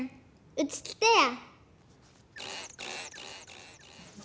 うち来てや。